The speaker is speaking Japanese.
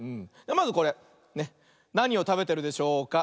まずこれなにをたべてるでしょうか。